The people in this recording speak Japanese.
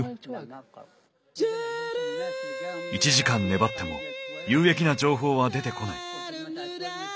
１時間粘っても有益な情報は出てこない。